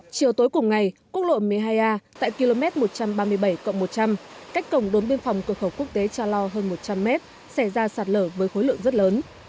chiều tối cùng ngày quốc lộ một mươi hai a tại km một trăm ba mươi bảy một trăm linh cách cổng đốn biên phòng cửa khẩu quốc tế cha lo hơn một trăm linh mét xảy ra sạt lở với khối lượng rất lớn